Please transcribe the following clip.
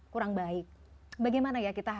kurang baik bagaimana ya